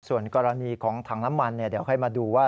ส่วนกรณีของถังน้ำมันเดี๋ยวค่อยมาดูว่า